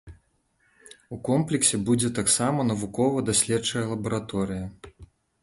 У комплексе будзе таксама навукова-даследчая лабараторыя.